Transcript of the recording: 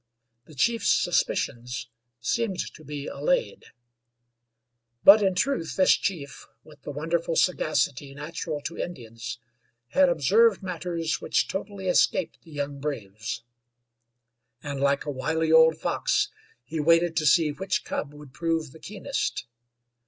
The chief's suspicions seemed to be allayed. But in truth this chief, with the wonderful sagacity natural to Indians, had observed matters which totally escaped the young braves, and, like a wily old fox, he waited to see which cub would prove the keenest.